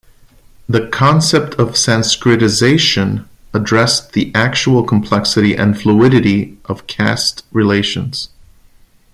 The concept of sanskritisation addressed the actual complexity and fluidity of caste relations.